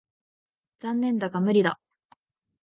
残念だが無理だ。